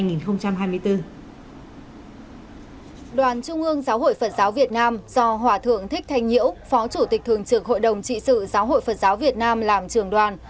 đoàn trung ương giáo hội phật giáo việt nam do hòa thượng thích thanh nhiễu phó chủ tịch thường trực hội đồng trị sự giáo hội phật giáo việt nam làm trường đoàn